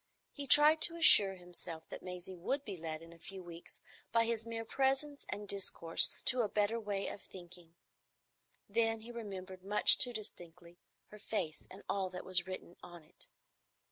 He tried to assure himself that Maisie would be led in a few weeks by his mere presence and discourse to a better way of thinking. Then he remembered much too distinctly her face and all that was written on it.